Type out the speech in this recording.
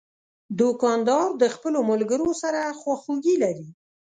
دوکاندار د خپلو ملګرو سره خواخوږي لري.